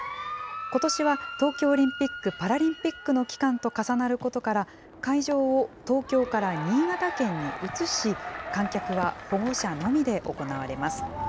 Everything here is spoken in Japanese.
ことしは、東京オリンピック・パラリンピックの期間と重なることから、会場を東京から新潟県に移し、観客は保護者のみで行われます。